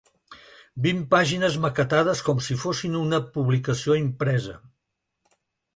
Vint pàgines maquetades com si fossin una publicació impresa.